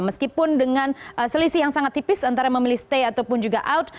meskipun dengan selisih yang sangat tipis antara memilih stay ataupun juga out